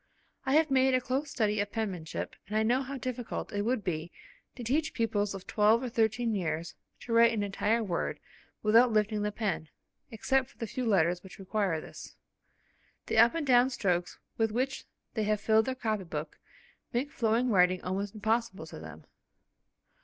I have made a close study of penmanship, and I know how difficult it would be to teach pupils of twelve or thirteen years to write an entire word without lifting the pen, except for the few letters which require this. The up and down strokes with which they have filled their copy book make flowing writing almost impossible to them.